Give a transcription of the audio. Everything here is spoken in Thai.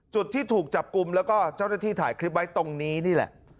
จุดที่ถูกจับกลุ่มแล้วก็เจ้าหน้าที่ถ่ายคลิปไว้ตรงนี้นี่แหละ